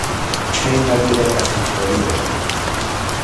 Chhayna vida kachkan jodido.